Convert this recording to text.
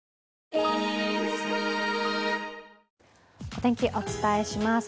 お天気、お伝えします。